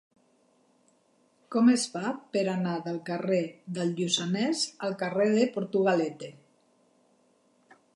Com es fa per anar del carrer del Lluçanès al carrer de Portugalete?